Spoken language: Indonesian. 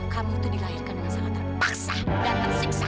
kamu itu dilahirkan dengan sangat tak paksa dan tak siksa